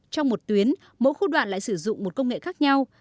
trong một tuyến mỗi khu đoạn lại sử dụng một công nghệ khác nhau